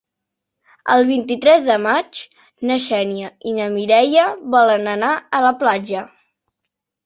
El vint-i-tres de maig na Xènia i na Mireia volen anar a la platja.